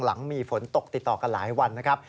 หลังมีฝนตกติดต่อกันหลายวันนะครับ